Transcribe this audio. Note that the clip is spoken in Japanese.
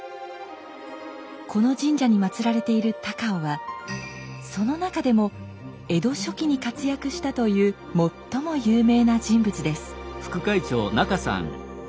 この神社に祀られている高尾はその中でも江戸初期に活躍したという最も有名な人物です。